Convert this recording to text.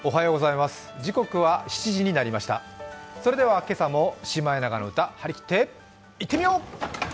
それでは、今朝も「シマエナガの歌」張り切っていってみよう！